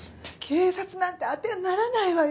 警察なんてあてにならないわよ。